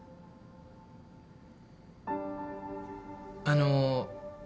あの。